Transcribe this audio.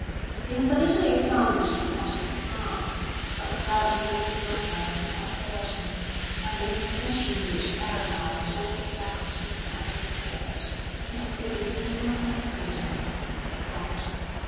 He was a little astonished at his calm, for doubt no longer assailed him, and the indecision which paralysed all his faculties had disappeared. "It is the beginning of my freedom," he thought.